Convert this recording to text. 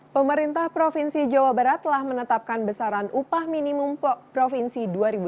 pemerintah provinsi jawa barat telah menetapkan besaran upah minimum provinsi dua ribu dua puluh